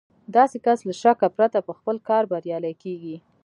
داسې کس له شکه پرته په خپل کار بريالی کېږي.